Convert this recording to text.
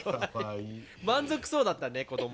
満足そうだったね子ども。